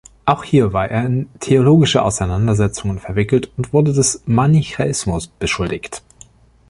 Auch hier war er in theologische Auseinandersetzungen verwickelt und wurde des Manichäismus beschuldigt.